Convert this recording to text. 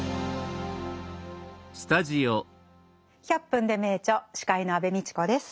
「１００分ｄｅ名著」司会の安部みちこです。